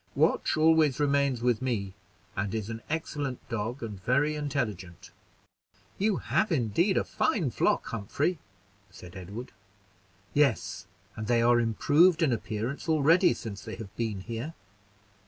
Watch always remains with me, and is an excellent dog, and very intelligent." "You have indeed a fine flock, Humphrey!" said Edward. "Yes, and they are improved in appearance already since they have been here.